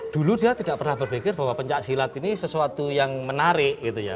dulu dia tidak pernah berpikir bahwa pencaksilat ini sesuatu yang menarik gitu ya